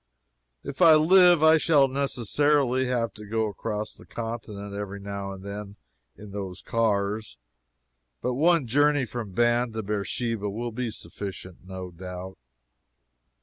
] If I live I shall necessarily have to go across the continent every now and then in those cars, but one journey from Dan to Beersheba will be sufficient, no doubt.